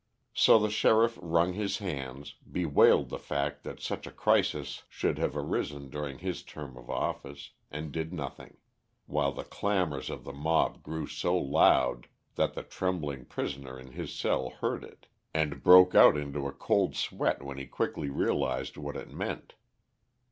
So the sheriff wrung his hands, bewailed the fact that such a crisis should have arisen during his term of office, and did nothing; while the clamours of the mob grew so loud that the trembling prisoner in his cell heard it, and broke out into a cold sweat when he quickly realised what it meant.